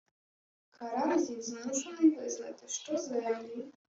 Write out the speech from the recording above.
Карамзін змушений визнати, що землі